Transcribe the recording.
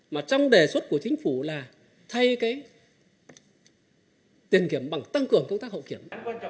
mà trong đề xuất của chính phủ là thay cái tiền kiểm bằng tăng cường công tác hậu kiểm